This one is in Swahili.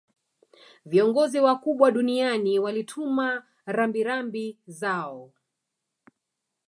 Viongozi wakubwa duniani walituma rambirambi zao